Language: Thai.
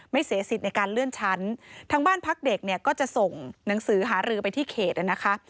เสียสิทธิ์ในการเลื่อนชั้นทางบ้านพักเด็กเนี่ยก็จะส่งหนังสือหารือไปที่เขตนะคะ